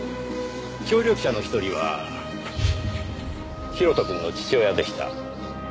協力者の一人は広斗くんの父親でした。